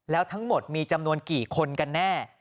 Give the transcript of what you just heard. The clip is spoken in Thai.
แล้วทั้งหมดมีจำนวนกี่คนกันแน่